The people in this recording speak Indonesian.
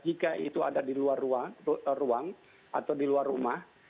jika itu ada di luar ruang atau di luar rumah